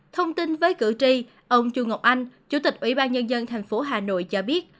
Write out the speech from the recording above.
thông tin với cử tri ông chu ngọc anh chủ tịch ủy ban nhân dân thành phố hà nội cho biết